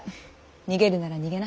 逃げるなら逃げな。